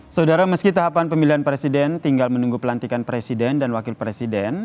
saudara meski tahapan pemilihan presiden tinggal menunggu pelantikan presiden dan wakil presiden